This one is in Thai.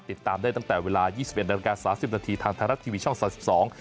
ติดตามได้ตั้งแต่เวลา๒๑๓๐นทางไทยรัฐทีวีช่อง๓๒